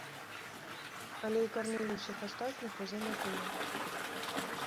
Але і кармілі ўсіх астатніх, ужо не тыя.